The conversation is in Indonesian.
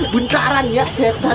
bentaran ya setan